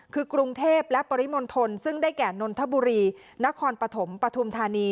คือกรุงเทพและปริมณฑลซึ่งได้แก่นนทบุรีนครปฐมปฐุมธานี